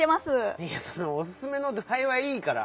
いやおすすめのどあいはいいから。